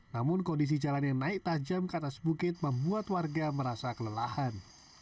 namun kondisi jalan yang naik tajam ke atas bukit membuat warga merasa kelelahan